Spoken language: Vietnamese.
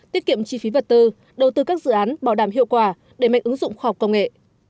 tiết kiệm chi phí vật tư đầu tư các dự án bảo đảm hiệu quả để mạnh ứng dụng khoa học công nghệ